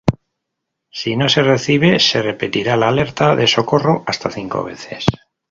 Si no se recibe, se repetirá la alerta de socorro hasta cinco veces.